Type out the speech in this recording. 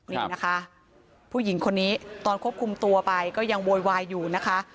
นี่นะคะผู้หญิงคนนี้ตอนควบคุมตัวไปก็ยังโวยวายอยู่นะคะ